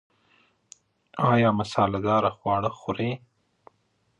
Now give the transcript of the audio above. ایا مساله داره خواړه خورئ؟